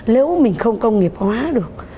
nếu mình không công nghiệp hóa được